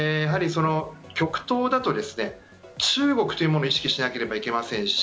極東だと中国というものを意識しなければいけませんし